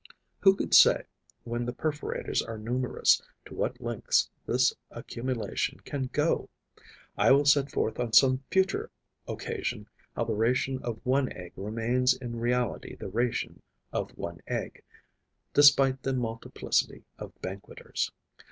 Who could say, when the perforators are numerous, to what lengths this accumulation can go? I will set forth on some future occasion how the ration of one egg remains in reality the ration of one egg, despite the multiplicity of banqueters.